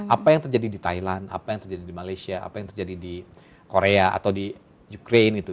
apa yang terjadi di thailand apa yang terjadi di malaysia apa yang terjadi di korea atau di ukraine gitu